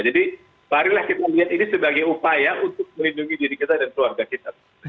jadi barilah kita melihat ini sebagai upaya untuk melindungi diri kita dan keluarga kita